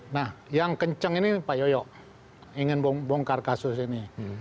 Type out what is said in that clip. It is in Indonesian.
nah yang kenceng ini pak yoyo ingin bongkar kasus ini